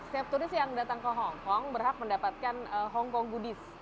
setiap turis yang datang ke hongkong berhak mendapatkan hongkong goodies